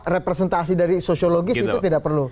representasi dari sosial logis itu tidak perlu